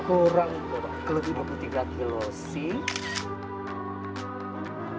kurang lebih dua puluh tiga kilo sih